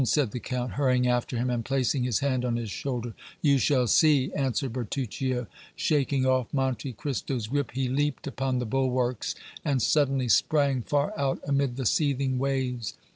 said the Count, hurrying after him and placing his hand on his shoulder. "You shall see!" answered Bertuccio. Shaking off Monte Cristo's grasp, he leaped upon the bulwarks and suddenly sprang far out amid the seething waves.